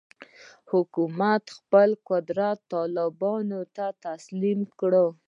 حکومت خپل قدرت طالبانو ته تسلیم کړي.